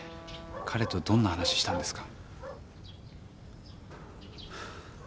彼とどんな話したんですか？